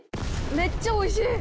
めっちゃおいしい！